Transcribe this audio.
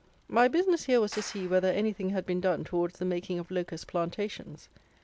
My business here was to see, whether anything had been done towards the making of Locust plantations.